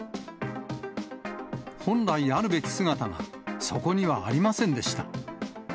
本来あるべき姿が、そこにはありませんでした。